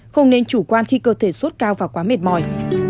không nên chủ quan khi cơ thể sốt cao và quá mệt mỏi